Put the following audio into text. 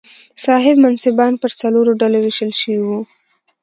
صاحب منصبان پر څلورو ډلو وېشل شوي وو.